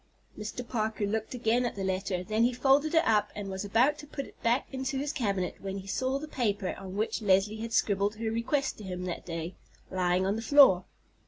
Mr. Parker looked again at the letter, then he folded it up and was about to put it back into his cabinet when he saw the paper on which Leslie had scribbled her request to him that day, lying on the floor.